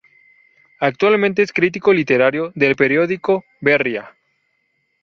Actualmente es crítico literario del periódico "Berria".